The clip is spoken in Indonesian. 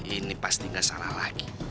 ini pasti nggak salah lagi